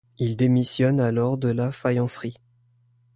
Il démissionne alors de la faïencerie.